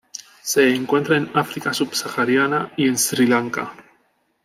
Se encuentra en África subsahariana y en Sri Lanka.